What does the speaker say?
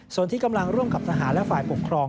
ส่วนที่กำลังร่วมกับทหารและฝ่ายปกครอง